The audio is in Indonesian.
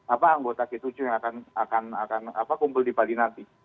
apa anggota g tujuh yang akan kumpul di bali nanti